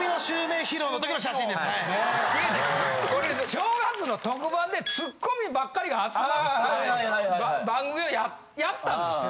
違う違うこれ正月の特番でツッコミばっかりが集まった番組をやったんですよ。